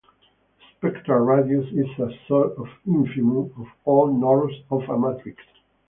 The spectral radius is a sort of infimum of all norms of a matrix.